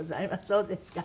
そうですか。